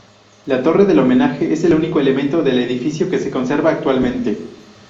La torre del homenaje es el único elemento del edificio que se conserva actualmente.